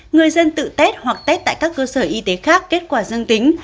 người dân tự test hoặc test tại các cơ sở y tế khác kết quả dương tính